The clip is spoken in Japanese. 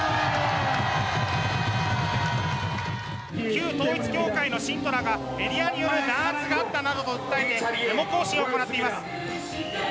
旧統一教会の信徒らがメディアによる弾圧があったと訴えてデモ行進を行っています。